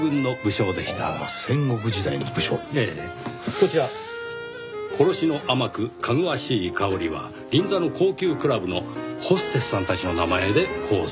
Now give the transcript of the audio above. こちら『殺しの甘く芳しい香り』は銀座の高級クラブのホステスさんたちの名前で構成。